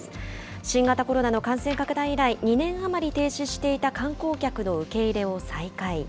新型コロナの感染拡大以来、２年余り停止していた観光客の受け入れを再開。